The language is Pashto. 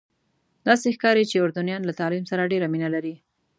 داسې ښکاري چې اردنیان له تعلیم سره ډېره مینه لري.